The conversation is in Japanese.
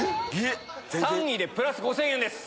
３位でプラス５０００円です。